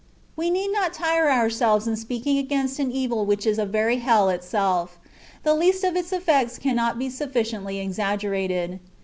We need not tire ourselves in speaking against an evil which is a very hell itself, the least of its effects cannot be sufficiently exaggerated.